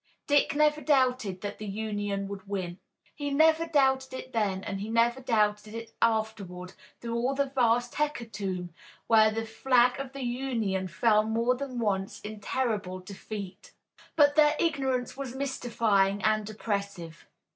Dick never doubted that the Union would win. He never doubted it then and he never doubted it afterward, through all the vast hecatomb when the flag of the Union fell more than once in terrible defeat. But their ignorance was mystifying and oppressive.